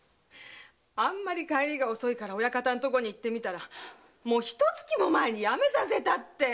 帰りが遅いから親方のところに行ってみたらひと月も前に辞めさせたって。